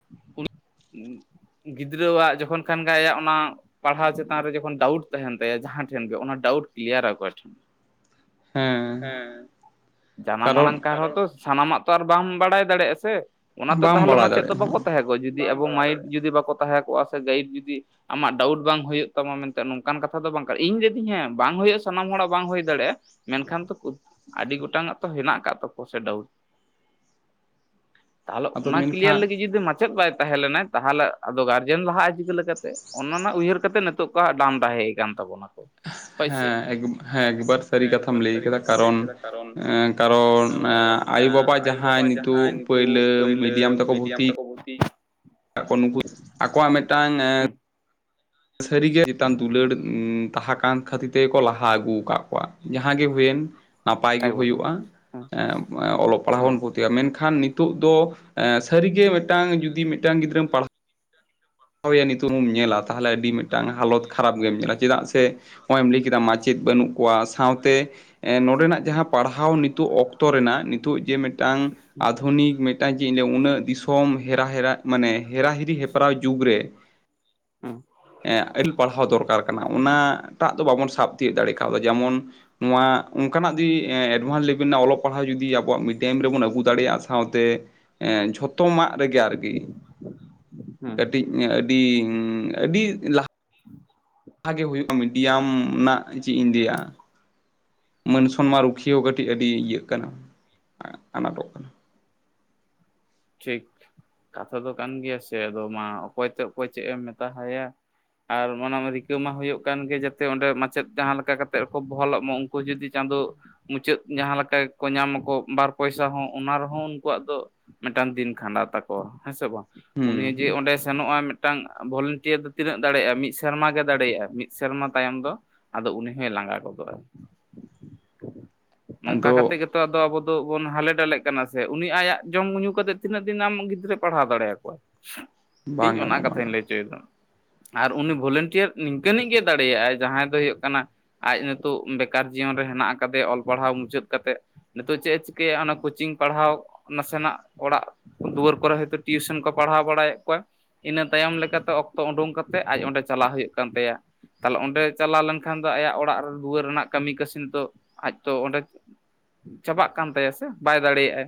[inaudible] ᱩᱜ ᱜᱤᱫᱽᱨᱟᱹᱣᱟᱜ ᱡᱚᱠᱷᱚᱱ ᱠᱟᱷᱱ ᱜᱮ ᱟᱭᱟᱜ ᱚᱱᱟ ᱯᱟᱲᱦᱟᱣ ᱪᱮᱛᱟᱱ ᱨᱮ ᱡᱚᱠᱷᱚᱱ ᱰᱟᱣᱩᱴ ᱛᱟᱦᱮᱱ ᱛᱟᱭᱟ ᱡᱟᱦᱟᱸ ᱴᱷᱮᱱ ᱜᱮ ᱚᱱᱟ ᱰᱟᱣᱩᱴ ᱠᱞᱤᱭᱟᱨ ᱟᱭ ᱚᱠᱚᱭ ᱴᱮᱷᱮᱱ? ᱦᱮᱸ ᱡᱟᱱᱟᱢ ᱟᱲᱟᱝ ᱠᱟᱨᱚᱱ ᱠᱟᱨᱚᱸᱦᱚᱛᱚ ᱥᱟᱱᱟᱢᱟᱜ ᱛᱚ ᱟᱨ ᱵᱟᱢ ᱵᱟᱲᱟᱭ ᱫᱟᱲᱮᱭᱟᱜ-ᱟ ᱥᱮ? ᱚᱱᱟᱛᱮ ᱵᱟᱢ ᱛᱟᱦᱚᱞᱮ ᱵᱟᱲᱟᱭ ᱢᱟᱪᱮᱫ ᱫᱚ ᱫᱟᱲᱮᱭᱟᱜᱼᱟ ᱵᱟᱠᱚ ᱛᱟᱦᱮᱸ ᱠᱚᱜ-ᱟ ᱡᱩᱫᱤ ᱟᱵᱚ ᱢᱟᱭᱤᱴ ᱡᱩᱫᱤ ᱵᱟᱠᱚ ᱛᱟᱦᱮᱸ ᱠᱚᱜ-ᱟ ᱥᱮ ᱜᱟᱭᱤᱰ ᱡᱩᱫᱤ ᱟᱢᱟᱜ ᱰᱟᱣᱩᱴ ᱵᱟᱝ ᱦᱩᱭᱩᱜ ᱛᱟᱢᱟ ᱢᱮᱱᱛᱮ ᱱᱚᱝᱠᱟᱱ ᱠᱟᱛᱷᱟ ᱫᱚ ᱵᱟᱝ ᱠᱟᱱᱟ ᱤᱧ ᱡᱫᱤᱧ ᱦᱮᱸ ᱵᱟᱝ ᱦᱩᱭᱩᱜ-ᱟ ᱥᱟᱱᱟᱢ ᱦᱚᱲᱟᱜ ᱵᱟᱝ ᱦᱩᱭ ᱫᱟᱲᱮᱭᱟᱜ-ᱟ ᱢᱮᱱᱠᱷᱟᱱ ᱛᱚ ᱟᱹᱰᱤ ᱜᱚᱴᱟᱝ ᱟᱜ ᱛᱚ ᱦᱮᱱᱟᱜ ᱟᱠᱟᱫ ᱛᱟᱠᱚᱣᱟ ᱥᱮ ᱰᱟᱭᱩᱰ ᱛᱟᱦᱚᱞᱮ ᱟᱫᱚ ᱚᱱᱟ ᱠᱞᱤᱭᱟᱨ ᱢᱮᱱᱠᱷᱟᱱ ᱞᱟᱹᱜᱤᱫ ᱡᱩᱫᱤ ᱢᱟᱪᱮᱫ ᱵᱟᱭ ᱛᱟᱦᱮᱸ ᱞᱮᱱᱟᱭ ᱛᱟᱦᱚᱞᱮ ᱟᱫᱚ ᱜᱟᱨᱡᱮᱱ ᱞᱟᱦᱟ ᱟᱭ ᱪᱤᱠᱟᱹ ᱪᱤᱠᱟᱹᱞᱮᱠᱟᱛᱮ ᱚᱱᱟ ᱱᱟᱦᱟᱜ ᱩᱭᱦᱟᱹᱨ ᱠᱟᱛᱮ ᱱᱤᱛᱚᱜ ᱠᱚ ᱦᱟᱸᱜ ᱰᱟᱢ-ᱰᱟᱦᱮ ᱟᱠᱟᱱ ᱛᱟᱵᱚᱱᱟ ᱠᱚ ᱦᱳᱭ ᱥᱮ ᱦᱮᱸ ᱮᱠᱵ.... ᱦᱮᱸ ᱮᱠᱵᱟᱨ ᱥᱟᱹᱨᱤ ᱠᱟᱛᱷᱟ ᱮᱢ ᱞᱟᱹᱭ ᱟᱠᱟᱫᱟ ᱠᱟᱨᱚᱱ ᱠᱟᱨᱚᱱ ᱟᱭᱳ ᱵᱟᱵᱟ ᱡᱟᱦᱟᱸᱭ ᱱᱤᱛᱚᱜ ᱯᱟᱹᱭᱞᱟᱹ ᱢᱤᱰᱤᱭᱟᱢ ᱛᱮᱠᱚ ᱵᱷᱚᱨᱛᱤ [inaudible] -ᱠᱟᱜ ᱠᱚ ᱱᱩᱠᱩ ᱟᱠᱚᱣᱟᱜ ᱢᱤᱫᱴᱟᱝ ᱮ [inaudible] ᱥᱟᱹᱨᱤ ᱜᱮ [inaudible] ᱪᱮᱛᱟᱱ ᱫᱩᱞᱟᱹᱲ ᱩᱸᱜᱼᱼ ᱛᱟᱦᱟ ᱠᱟᱱ ᱠᱷᱟᱹᱛᱤᱨ ᱛᱮ ᱠᱚ ᱞᱟᱦᱟ ᱟᱹᱜᱩ ᱟᱠᱟᱫ ᱠᱚᱣᱟ ᱡᱟᱦᱟᱸ ᱜᱮ ᱦᱩᱭ ᱮᱱ ᱱᱟᱯᱟᱭ ᱜᱮ ᱮᱠᱵᱟᱨᱮ ᱦᱩᱭᱩᱜᱼᱟ ᱦᱩᱸ ᱮᱸ-ᱮᱸ ᱚᱞᱚᱜ ᱯᱟᱲᱦᱟᱣ ᱦᱩᱸ ᱵᱚᱱ ᱯᱳᱫ ᱛᱮᱭᱟᱜ ᱢᱮᱱᱠᱷᱟᱱ ᱱᱤᱛᱚᱜ ᱫᱚ ᱥᱟᱹᱨᱤᱜᱮ ᱢᱤᱫᱴᱟᱝ ᱡᱩᱫᱤ ᱢᱤᱫᱴᱟᱝ ᱜᱤᱫᱽᱨᱟᱹᱢ ᱯᱟᱲᱦᱟᱣ [unintelligible] ᱱᱤᱛᱚᱜ ᱵᱚᱱ ᱧᱮᱞᱟ ᱛᱟᱦᱚᱞᱮ ᱟᱹᱰᱤ ᱢᱤᱫᱴᱟᱝ ᱦᱟᱞᱚᱛ ᱠᱷᱟᱨᱟᱯ ᱜᱮᱢ ᱧᱮᱞᱟ ᱪᱮᱫᱟᱜ ᱥᱮ ᱱᱚᱜᱼᱚᱭ ᱮᱢ ᱞᱟᱹᱭ ᱠᱮᱫᱟ ᱢᱟᱪᱮᱛ ᱵᱟᱹᱱᱩᱜ ᱠᱚᱣᱟ ᱥᱟᱶᱛᱮ ᱮᱸ ᱱᱚᱸᱰᱮᱱᱟᱜ ᱡᱟᱦᱟᱸ ᱯᱟᱲᱦᱟᱣ ᱱᱤᱛᱚᱜ ᱚᱠᱛᱚ ᱨᱮᱱᱟᱜ ᱱᱤᱛᱚᱜ ᱡᱮ ᱢᱤᱫ ᱢᱤᱫᱴᱟᱝ ᱟᱫᱷᱩᱱᱤᱠ ᱢᱤᱫᱴᱟᱝ ᱡᱮ ᱤᱧ ᱞᱤᱭᱟ ᱩᱱᱟᱹᱜ ᱫᱤᱥᱚᱢ ᱦᱮᱨᱟ-ᱦᱮᱨᱟ ᱢᱟᱱᱮ ᱦᱮᱨᱟ-ᱦᱤᱨᱤ ᱦᱮᱯᱨᱟᱣ ᱡᱩᱜᱽ ᱨᱮ ᱦᱩᱸ ᱮᱸ ᱟᱹᱰᱤᱞ ᱯᱟᱲᱦᱟᱣ ᱫᱚᱨᱠᱟᱨ ᱠᱟᱱᱟ ᱚᱱᱟ ᱴᱟᱜ ᱫᱚ ᱵᱟᱵᱚᱱ ᱥᱟᱵ ᱛᱤᱭᱟᱹᱜ ᱫᱟᱲᱮ ᱟᱠᱟᱣᱫᱟ ᱡᱮᱢᱚᱱᱼᱼ ᱱᱚᱣᱟ ᱚᱱᱠᱟᱱᱟᱜ ᱫᱤ ᱮᱸ ᱮᱰᱵᱷᱟᱱᱥ ᱞᱮᱵᱮᱞ ᱨᱮᱱᱟᱜ ᱚᱞᱚᱜ ᱯᱟᱲᱦᱟᱜ ᱡᱩᱫᱤ ᱟᱵᱚᱣᱟᱜ ᱢᱤᱰᱭᱟ. ᱢ ᱨᱮᱵᱚᱱ ᱟᱹᱜᱩ ᱫᱟᱲᱮᱭᱟᱜ-ᱟ ᱥᱟᱶᱛᱮᱼᱼ ᱮᱸ ᱡᱷᱚᱛᱼᱼ ᱛᱚᱢᱟᱜ ᱨᱮ ᱜᱮ ᱟᱨ ᱜᱤ ᱦᱩᱸ ᱠᱟᱹᱴᱤᱡ ᱟᱹᱰᱤ ᱩᱸ ᱟᱹᱰᱤ ᱞᱟᱼᱼ [inaudible] ᱦᱟᱸ ᱜᱮ ᱦᱩᱭᱩᱜ-ᱟ ᱢᱤᱰᱤᱭᱟᱢ ᱱᱟᱜ ᱪᱮᱫ ᱤᱧ ᱞᱟᱹᱭᱟ᱾ ᱢᱟᱹᱱᱥᱚᱱ ᱢᱟ ᱨᱩᱠᱷᱤᱭᱟᱹ ᱦᱚᱸ ᱠᱟᱹᱴᱤᱡ ᱟᱹᱰᱤ ᱤᱭᱟᱹᱜ ᱠᱟᱱᱟ ᱟ ᱟᱱᱟᱴᱚᱜ ᱠᱟᱱᱟ᱾ ᱴᱷᱤᱠ ᱠᱟᱛᱷᱟ ᱫᱚ ᱠᱟᱱ ᱜᱮᱭᱟ ᱥᱮ ᱟᱫᱚ ᱢᱟ ᱚᱠᱚᱭ ᱛᱚ ᱚᱠᱚᱭ ᱪᱮᱫ ᱮᱢ ᱢᱮᱛᱟ ᱦᱟᱭᱟ᱾ ᱟᱨ ᱚᱱᱟ ᱢᱟ ᱨᱤᱠᱟᱹ ᱢᱟ ᱦᱩᱭᱩᱜ ᱠᱟᱱ ᱜᱮ ᱡᱮᱛᱮ ᱚᱸᱰᱮ ᱢᱟᱪᱮᱛ ᱡᱟᱦᱟᱸ ᱞᱮᱠᱟ ᱠᱟᱛᱮᱜ ᱠᱚ ᱵᱚᱦᱟᱞᱚᱜ ᱢᱟ ᱩᱱᱼᱼ ᱠᱩ ᱡᱩᱫᱤ ᱪᱟᱸᱫᱚᱼᱼ ᱢᱩᱪᱟᱹᱫ ᱡᱟᱦᱟᱸ ᱞᱮᱠᱟ ᱜᱮᱠᱚ ᱧᱟᱢᱟ ᱠᱚ ᱵᱟᱨ ᱯᱚᱭᱥᱟ ᱦᱚᱸ ᱚᱱᱟ ᱨᱮᱦᱚᱸ ᱩᱱᱠᱩ ᱣᱟᱜ ᱫᱚᱼᱼ ᱢᱮᱫᱴᱟᱝ ᱫᱤᱱ ᱠᱷᱟᱸᱰᱟᱣᱜ ᱼᱼ ᱛᱟᱠᱚᱣᱟ ᱦᱮᱸ ᱥᱮ ᱵᱟᱝ ᱩᱱᱤ ᱦᱩᱸ ᱡᱮ ᱦᱩᱸ ᱚᱸᱰᱮ ᱥᱮᱱᱚᱜ ᱟᱭ ᱢᱮ ᱢᱤᱫᱴᱟᱝ ᱵᱷᱚᱞᱮᱱᱴᱤᱭᱟᱹᱨ ᱫᱚ ᱛᱤᱱᱟᱹᱜ ᱫᱟᱲᱮᱭᱟᱜ-ᱟ ᱢᱤᱫ ᱥᱮᱨᱢᱟ ᱜᱮ ᱫᱟᱲᱮᱭᱟᱜ-ᱟ ᱢᱤᱫ ᱥᱮᱨᱢᱟ ᱛᱟᱭᱚᱢ ᱫᱚᱼᱼ ᱟᱫᱚ ᱩᱱᱤ ᱦᱚᱭ ᱞᱟᱸᱜᱟ ᱜᱚᱫᱚᱜ-ᱟ᱾ ᱱᱚᱝᱠᱟ ᱟᱫᱚ ᱠᱟᱛᱮᱜ ᱜᱮᱛᱼᱼ ᱛᱚ ᱟᱫᱚ ᱟᱵᱚ ᱫᱚ ᱵᱚᱱ ᱦᱟᱞᱮ ᱰᱟᱞᱮᱜ ᱠᱟᱱᱟ ᱥᱮ ᱩᱱᱤ ᱟᱭᱟᱜ ᱡᱚᱢ ᱧᱩ ᱠᱟᱛᱮ ᱛᱤᱱᱟᱹᱜ ᱫᱤᱱ ᱟᱢ... ᱜᱤᱫᱽᱨᱟᱹᱭ ᱯᱟᱲᱦᱟᱣ ᱫᱟᱲᱮ ᱭᱟᱠᱚᱣᱟ? [inaudible] ᱤᱧ ᱚᱱᱟ ᱜᱟᱱᱚᱜᱼᱟ ᱵᱟᱝ ᱠᱟᱛᱷᱟᱧ ᱜᱟᱱᱚᱜᱼᱟ ᱞᱟᱹᱭ ᱚᱪᱚᱭ ᱮᱫᱟ᱾ ᱟᱨ ᱩᱱᱤ ᱵᱷᱚᱞᱮᱱᱴᱤᱭᱟᱹᱨ ᱱᱤᱝᱠᱟᱹ ᱱᱤᱡ ᱜᱮᱭ ᱫᱟᱲᱮᱭᱟᱜ-ᱟᱭ ᱡᱟᱦᱟᱸᱭ ᱫᱚᱭ ᱦᱩᱭᱩᱜ ᱠᱟᱱᱟᱼᱼ ᱟᱡ ᱱᱤᱛᱚᱜ ᱵᱮᱠᱟᱨ ᱡᱤᱭᱚᱱ ᱨᱮ ᱦᱮᱱᱟᱜ ᱟᱠᱟ ᱫᱮᱭᱟ ᱚᱞ ᱯᱟᱲᱦᱟᱣ ᱢᱩᱪᱟᱹᱫ ᱠᱟᱛᱮᱜᱼᱼ ᱱᱤᱛᱚᱜ ᱪᱮᱫ ᱮ ᱪᱤᱠᱟᱹᱭᱟ ᱚᱱᱟ ᱠᱚᱪᱤᱝ ᱯᱟᱲᱦᱟᱣ ᱱᱟᱥᱮᱱᱟᱜ ᱚᱲᱟᱜᱼᱼ ᱫᱩᱣᱟᱹᱨ ᱠᱚᱨᱮ ᱦᱚᱭᱛᱚ ᱴᱤᱭᱩᱥᱚᱱ ᱠᱚ ᱯᱟᱲᱦᱟᱣ ᱵᱟᱲᱟ ᱭᱮᱜ ᱠᱚᱣᱟᱭᱼᱼ ᱤᱱᱟᱹ ᱛᱟᱭᱚᱢ ᱞᱮᱠᱟ ᱛᱮ ᱚᱠᱛᱚ ᱩᱰᱩᱝ ᱠᱟᱛᱮᱜ ᱟᱡ ᱚᱸᱰᱮ ᱪᱟᱞᱟᱣ ᱦᱩᱭᱩᱜ ᱠᱟᱱ ᱛᱟᱭᱟᱼᱼ ᱛᱟᱦᱚᱞᱮ ᱚᱸᱰᱮ ᱪᱟᱞᱟᱣ ᱞᱮᱱᱠᱷᱟᱱ ᱫᱚ ᱟᱭᱟᱜ ᱚᱲᱟᱜ ᱨᱮ ᱫᱩᱣᱟᱹᱨ ᱨᱮᱱᱟᱜ ᱠᱟᱹᱢᱤ ᱠᱟᱹᱥᱤᱱ ᱛᱚᱼᱼ ᱛᱚ ᱚᱸᱰᱮ ᱪᱟᱵᱟᱜ ᱠᱟᱱ ᱛᱟᱭᱟ ᱥᱮ ᱵᱟᱭ ᱫᱟᱲᱮᱭᱟᱜ ᱟᱭᱼᱼ